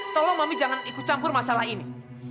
tolong mami jangan ikut campur masalah ini